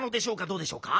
どうでしょうか？